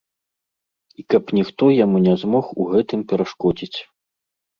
І каб ніхто яму не змог у гэтым перашкодзіць.